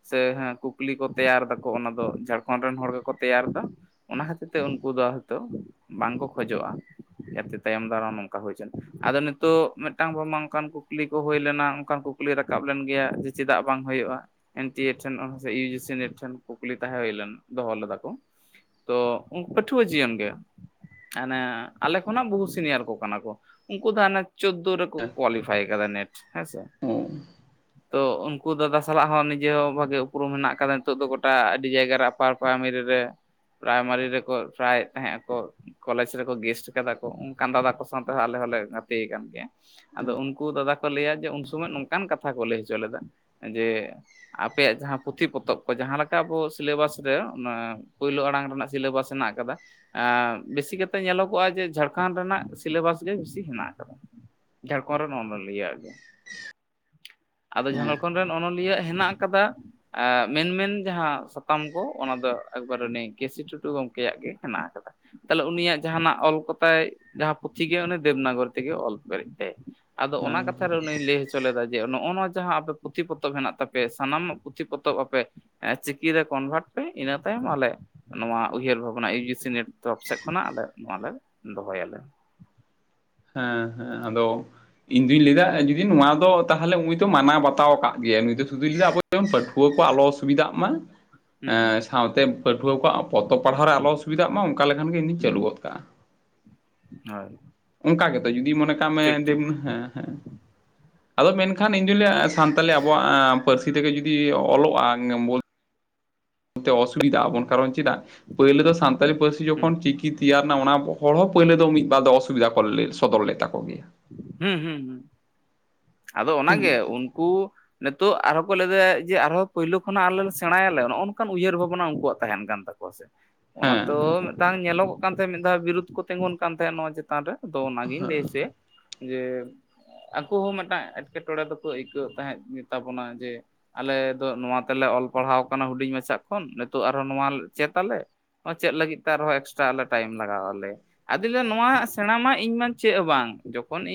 ᱥᱮ ᱦᱮᱸ ᱠᱩᱠᱞᱤ ᱠᱚ ᱛᱮᱭᱟᱨ ᱫᱟᱠᱚ ᱚᱱᱟ ᱫᱚ ᱡᱷᱟᱲᱠᱷᱚᱱᱰ ᱨᱮᱱ ᱦᱚᱲ ᱜᱮᱠᱚ ᱛᱮᱭᱟᱨ ᱫᱫᱟ ᱚᱱᱟ ᱠᱷᱟᱹᱛᱤᱨ ᱛᱮ ᱛᱮ ᱩᱱᱠᱩ ᱫᱚ ᱦᱚᱭᱛᱳ ᱵᱟᱝᱠᱚ ᱠᱷᱚᱡᱚᱜᱼᱟ᱾ ᱡᱟᱛᱮ ᱛᱟᱭᱚᱢ ᱫᱟᱨᱟᱢ ᱱᱚᱝᱠᱟ ᱦᱩᱭᱪᱮᱱ ᱟᱫᱚ ᱱᱤᱛᱚᱜ ᱢᱤᱫᱴᱟᱝ ᱵᱟᱢᱟ ᱚᱱᱠᱟᱱ ᱠᱩᱠᱞᱤ ᱠᱚ ᱦᱩᱭ ᱞᱮᱱᱟ ᱚᱱᱠᱟᱱ ᱠᱩᱠᱞᱤ ᱠᱩᱠᱞᱤ ᱨᱟᱠᱟᱵ ᱞᱮᱱ ᱜᱮᱭᱟ ᱡᱮ ᱪᱮᱫᱟᱜ ᱵᱟᱝ ᱦᱩᱭᱩᱜᱼᱟ ᱮᱱ ᱴᱤ ᱴᱷᱮᱱ ᱤᱭᱩᱡᱮᱥᱤ ᱴᱷᱮᱱ ᱠᱩᱠᱞᱤ ᱛᱟᱦᱮᱸ ᱦᱩᱭ ᱞᱮᱮᱱ ᱫᱚᱦᱚ ᱞᱮᱫᱟ ᱠᱚ ᱛᱚ ᱯᱟᱹᱴᱷᱩᱣᱟᱹ ᱡᱤᱭᱚᱱ ᱨᱮ ᱦᱟᱱᱮ ᱟᱞᱮ ᱠᱷᱚᱱᱟᱜ ᱵᱚᱦᱩ ᱥᱤᱱᱤᱭᱟᱨ ᱠᱚ ᱠᱟᱱᱟ ᱠᱚ ᱩᱱᱠᱩ ᱫᱚ ᱦᱟᱱᱮ ᱪᱳᱫᱫᱳ ᱨᱮᱠᱚ ᱦᱮᱸ ᱠᱳᱣᱟᱞᱤᱯᱷᱟᱭ ᱟᱠᱟᱫᱟ ᱱᱮᱴ ᱦᱮᱸ ᱥᱮ ᱦᱮᱸ ᱛᱚ ᱩᱱᱠᱩ ᱫᱟᱫᱟ ᱥᱟᱞᱟᱜ ᱦᱚᱸ ᱱᱤᱡᱮ ᱦᱚᱸ ᱵᱷᱟᱜᱮ ᱩᱯᱨᱩᱢ ᱦᱮᱱᱟᱜ ᱠᱟᱫᱟ ᱱᱤᱛᱚᱜ ᱫᱚ ᱜᱚᱴᱟ ᱟᱹᱰᱤ ᱡᱟᱭᱜᱟ ᱨᱮ [unintelligible] ᱯᱨᱟᱭᱢᱟᱨᱤ ᱨᱮ ᱯᱨᱟᱭᱢᱟᱨᱤ ᱨᱮᱠᱚ ᱴᱨᱟᱭᱮᱫ ᱛᱟᱦᱮᱸ ᱟᱠᱚ ᱠᱚᱞᱮᱡᱽ ᱨᱮᱠᱚ ᱜᱮᱥᱴ ᱠᱟᱫᱟ ᱠᱚ ᱚᱱᱠᱟᱱ ᱫᱟᱫᱟ ᱠᱚ ᱥᱟᱶ ᱛᱮᱦᱚᱸ ᱟᱞᱮ ᱦᱚᱸᱞᱮ ᱜᱟᱛᱮ ᱠᱟᱱᱟᱱ ᱜᱮᱭᱟ ᱟᱫᱚ ᱩᱱᱠᱩ ᱫᱟᱫᱟ ᱠᱚ ᱞᱟᱹᱭᱟ ᱡᱮ ᱩᱱ ᱥᱚᱢᱚᱭ ᱱᱚᱝᱠᱟᱱ ᱠᱟᱛᱷᱟ ᱠᱚ ᱞᱟᱹᱭ ᱦᱚᱪᱚ ᱞᱮᱫᱟ ᱡᱮ ᱟᱯᱮᱭᱟᱜ ᱡᱟᱦᱟᱸ ᱯᱩᱛᱷᱤ ᱯᱚᱛᱚᱵ ᱠᱚ ᱡᱟᱦᱟᱸᱞᱮᱠᱟ ᱟᱵᱚ ᱥᱤᱞᱮᱵᱟᱥ ᱨᱮ ᱚᱱᱟ ᱯᱳᱭᱞᱳ ᱟᱲᱟᱝ ᱨᱮᱱᱟᱜ ᱥᱤᱞᱮᱵᱟᱥ ᱢᱮᱱᱟᱜ ᱟᱠᱟᱫᱟ ᱟ ᱵᱮᱥᱤ ᱠᱟᱛᱮᱜ ᱧᱮᱞᱚᱜᱚᱼᱟ ᱡᱮ ᱡᱷᱟᱲᱠᱷᱚᱱᱰ ᱨᱮᱱᱟᱜ ᱥᱤᱞᱮᱵᱟᱥ ᱜᱮ ᱵᱮᱥᱤ ᱦᱮᱱᱟᱜ ᱟᱠᱟᱫᱟ ᱡᱷᱟᱲᱠᱷᱚᱱᱰ ᱨᱮᱱ ᱚᱱᱚᱞᱤᱭᱟᱹ ᱟᱜ ᱜᱮ ᱟᱫᱚ ᱡᱷᱟᱲᱠᱷᱚᱱᱰ ᱨᱮᱱ ᱚᱱᱚᱞᱤᱭᱟᱹ ᱟᱜ ᱦᱮᱱᱟᱜ ᱟᱠᱟᱫᱟ ᱟ ᱢᱮᱱ ᱢᱮᱱ ᱡᱟᱦᱟᱸ ᱥᱟᱛᱟᱢ ᱠᱚ ᱚᱱᱟ ᱫᱚ ᱮᱠᱵᱟᱨ ᱩᱱᱤ ᱠᱮᱥᱤ ᱴᱩᱰᱩ ᱜᱚᱝᱠᱮ ᱠᱮᱭᱟᱜ ᱜᱮ ᱦᱮᱱᱟᱜ ᱟᱠᱟᱫᱟ ᱛᱟᱦᱚᱞᱮ ᱩᱱᱤᱭᱟᱜ ᱡᱟᱦᱟᱸ ᱱᱟᱜ ᱚᱞ ᱠᱚᱛᱟᱭ ᱡᱟᱦᱟᱸ ᱯᱩᱛᱷᱤ ᱜᱮ ᱩᱱᱤ ᱫᱮᱵᱽᱱᱟᱜᱚᱨᱤ ᱛᱮᱜᱮ ᱚᱞ ᱯᱮᱨᱮᱡ ᱛᱟᱭ ᱟᱫᱚ ᱚᱱᱟ ᱦᱮᱸ ᱠᱟᱛᱷᱟ ᱨᱮ ᱱᱩᱭ ᱞᱟᱹᱭ ᱦᱚᱪᱚ [unintelligible] ᱟ ᱡᱮ ᱱᱚᱜᱼ ᱱᱚᱣᱟ ᱡᱟᱦᱟᱸ ᱟᱯᱮ ᱯᱩᱛᱷᱤ ᱯᱚᱛᱚᱵ ᱦᱮᱱᱟᱜ ᱛᱟᱯᱮ ᱥᱟᱱᱟᱢᱟᱜ ᱯᱩᱛᱷᱤ ᱯᱚᱛᱚᱵ ᱟᱯᱮ [unintelligible] ᱪᱤᱠᱤᱨᱮ ᱠᱚᱱᱵᱷᱟᱨᱴ ᱯᱮ ᱤᱱᱟᱹ ᱛᱟᱭᱚᱢ ᱟᱞᱮ ᱱᱚᱣᱟ ᱩᱭᱦᱟᱹᱨ ᱵᱷᱟᱵᱽᱱᱟ ᱤᱭᱩ ᱡᱤ ᱥᱤ ᱱᱮᱴ ᱛᱚᱨᱚᱯ ᱥᱮᱫ ᱠᱷᱚᱱᱟᱜ ᱟᱞᱮ ᱱᱚᱣᱟ ᱞᱮ ᱫᱚᱦᱚᱭᱟ ᱞᱮ ᱦᱮᱸ ᱦᱮᱸ ᱟᱫᱚ ᱤᱧ ᱫᱩᱧ ᱞᱟᱹᱭᱮᱫᱟ ᱡᱩᱫᱤ ᱱᱚᱣᱟ ᱫᱚ ᱛᱟᱦᱚᱞᱮ ᱩᱱᱤ ᱫᱚ ᱢᱟᱱᱟᱣ ᱵᱟᱛᱟᱣ ᱠᱟᱫ ᱜᱮᱭᱟ ᱱᱩᱭ ᱫᱚ ᱥᱩᱫᱩ ᱞᱟᱹᱭᱟ ᱟᱵᱚ ᱡᱮᱢᱚᱱ ᱯᱟᱹᱷᱣᱟᱹ ᱠᱚ ᱟᱞᱚ ᱚᱥᱩᱵᱤᱫᱟᱜ ᱢᱟ ᱦᱩᱸ ᱮᱜ ᱥᱟᱶᱛᱮ ᱯᱟᱹᱴᱷᱩᱣᱟᱹ ᱠᱚᱣᱟᱜ ᱯᱚᱛᱚᱵ ᱯᱟᱲᱦᱟᱣ ᱨᱮ ᱟᱞᱚ ᱚᱥᱩᱵᱤᱫᱷᱟᱜ ᱢᱟ ᱚᱱᱠᱟ ᱞᱮᱠᱷᱟᱱ ᱜᱮ ᱤᱧᱫᱩᱧ ᱦᱩᱸ ᱪᱟᱹᱞᱩ ᱜᱚᱫ ᱠᱟᱜᱼᱟ ᱦᱳᱭ ᱚᱱᱠᱟ ᱜᱮᱛᱚ ᱡᱩᱫᱤ ᱢᱚᱱᱮ ᱠᱟᱜ ᱢᱮ ᱴᱷᱤᱠ ᱫᱮᱵ ᱴᱷᱤᱠ ᱦᱮᱸ ᱦᱮᱸ ᱟᱫᱚ ᱢᱮᱱᱠᱷᱟᱱ ᱤᱧ ᱡᱩᱤ ᱞᱟᱭᱮᱜᱼᱟ ᱥᱟᱱᱛᱟᱞᱤ ᱟᱵᱚᱣᱟᱜ ᱯᱟᱹᱨᱥᱤ ᱛᱮᱜᱮ ᱡᱩᱫᱤ ᱚᱞᱚᱜᱼᱟ? ᱛᱮ ᱚᱥᱩᱵᱤᱫᱟᱜ ᱟᱵᱚᱱ ᱠᱟᱨᱚᱱ ᱪᱮᱫᱟᱜ ᱯᱳᱭᱞᱳ ᱫᱚ ᱥᱟᱱᱛᱟᱞᱤ ᱯᱟᱹᱨᱥᱤ ᱦᱩᱸ ᱡᱚᱠᱷᱚᱱ ᱪᱤᱠᱤ ᱛᱮᱭᱟᱨ ᱮᱱᱟ ᱚᱱᱟᱵᱚᱼᱼ ᱦᱚᱲ ᱦᱚᱸ ᱯᱳᱭᱞᱳ ᱫᱚ ᱢᱤᱫ ᱵᱟᱨ ᱫᱚ ᱚᱥᱩᱵᱤᱫᱟ ᱠᱚ ᱥᱚᱫᱚᱨ ᱞᱮᱫ ᱛᱟᱠᱚ ᱜᱮᱭᱟ᱾ ᱦᱩᱸ ᱦᱩᱸ ᱦᱩ ᱟᱫᱚ ᱴᱷᱤᱠ ᱚᱱᱟᱜᱮ ᱜᱮᱭᱟ ᱩᱱᱠᱩ᱾ ᱱᱤᱛᱚᱜ ᱟᱨᱦᱚᱸ ᱠᱚ ᱞᱟᱹᱭᱮᱫᱟ ᱡᱮ ᱟᱨᱦᱚᱸ ᱯᱳᱭᱞᱳ ᱠᱷᱚᱱᱟᱜ ᱟᱞᱮ ᱞᱮ ᱥᱮᱬᱟᱭ ᱟᱞᱮ ᱱᱚᱜᱼᱚ ᱱᱚᱝᱠᱟᱱ ᱩᱭᱦᱟᱹᱨ ᱵᱷᱟᱵᱱᱟ ᱩᱱᱠᱩᱣᱟᱜ ᱛᱟᱦᱮᱱ ᱠᱟᱱ ᱛᱟᱠᱚᱣᱟ᱾ ᱚᱱᱟ ᱦᱮᱸ ᱫᱚ ᱦᱮᱸ ᱢᱤᱫ ᱫᱷᱟᱝ ᱧᱮᱞᱚᱜ ᱠᱟᱱ ᱛᱟᱦᱮᱸᱫ ᱢᱤᱫ ᱫᱷᱟᱣ ᱵᱤᱨᱩᱫ ᱠᱚ ᱛᱤᱸᱜᱩᱱ ᱠᱟᱱ ᱛᱟᱦᱮᱸᱫ ᱱᱚᱣᱟ ᱪᱮᱛᱟᱱ ᱨᱮ ᱟᱫᱚ ᱚᱱᱟᱜᱤᱧ ᱞᱟᱹᱭ ᱦᱚᱪᱚᱭᱟ ᱡᱮ ᱟᱠᱚ ᱦᱚᱸ ᱢᱮᱼᱼ ᱴᱟᱜ ᱮᱴᱠᱮᱴᱚᱬᱮ ᱫᱚᱠᱚ ᱟᱹᱭᱠᱟᱹᱣ ᱛᱟᱦᱮᱸᱫ ᱜᱮᱛᱟᱵᱚᱱᱟ ᱡᱮ ᱟᱞᱮ ᱫᱚ ᱱᱚᱣᱟ ᱛᱮᱞᱮ ᱚᱞ ᱯᱟᱲᱦᱟᱣ ᱟᱠᱟᱱᱟ ᱦᱩᱰᱤᱧ ᱢᱟᱪᱷᱟ ᱠᱷᱚᱱ ᱱᱤᱛᱚᱜ ᱟᱨᱦᱚᱸ ᱱᱚᱣᱟ ᱪᱮᱫ ᱟᱞᱮ? ᱚᱪᱚᱫ ᱞᱟᱹᱜᱤᱫ ᱛᱮ ᱟᱨᱦᱚᱸ ᱮᱠᱥᱴᱨᱟ ᱟᱞᱮ ᱴᱟᱭᱤᱢ ᱞᱟᱜᱟ ᱣᱟᱞᱮᱭᱟ ᱟᱫᱚᱧ ᱞᱟᱹᱭᱫᱟ ᱱᱚᱣᱟ ᱥᱮᱬᱟ ᱢᱟ ᱤᱧ ᱢᱟ ᱪᱮᱫ ᱦᱚᱸ ᱵᱟᱝ ᱡᱚᱠᱷᱚᱱ ᱤᱧ